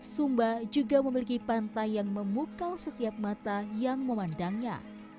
sumba juga memiliki pantai yang memukau setiap mata yang memandangnya